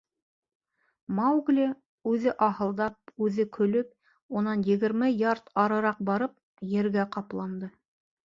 Маугли, үҙе аһылдап, үҙе көлөп, унан егерме ярд арыраҡ барып, ергә ҡапланды.